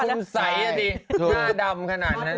มันดูคุ้มใสหน้าดำขนาดนั้น